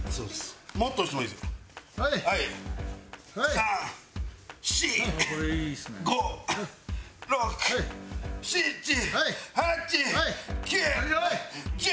３４５６７８９１０。